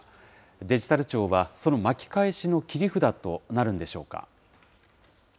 デジタル庁はその巻き返しの切り札となるんでしょうか。